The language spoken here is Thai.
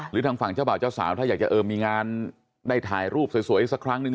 ทางฝั่งเจ้าบ่าวเจ้าสาวถ้าอยากจะมีงานได้ถ่ายรูปสวยอีกสักครั้งนึง